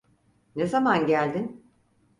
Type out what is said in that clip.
Ne zaman geldin?